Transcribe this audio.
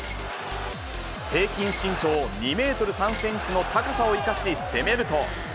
平均身長２メートル３センチの高さを生かし、攻めると。